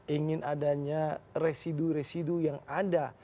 ingin adanya residu residu yang ada